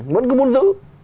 vẫn cứ muốn giữ